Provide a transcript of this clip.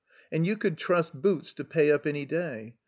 And you could trust Boots to pay up any day.